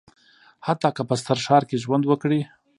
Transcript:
حتی که په ستر ښار کې ژوند وکړي.